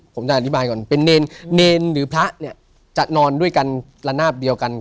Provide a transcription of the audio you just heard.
ผมจะอธิบายก่อนเป็นเนรเนรหรือพระเนี่ยจะนอนด้วยกันระนาบเดียวกัน